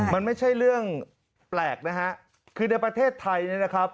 มันไม่ใช่เรื่องแปลกนะฮะคือในประเทศไทยเนี่ยนะครับ